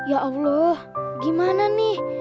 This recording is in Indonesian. ya allah gimana nih